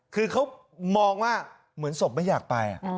คือเขามองว่าเหมือนศพไม่อยากไป